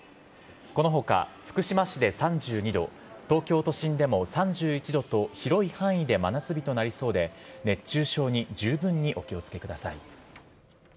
このほか福島市で３２度、東京都心でも３１度と広い範囲で真夏日となりそうで、熱中症に十分、お気をつけください。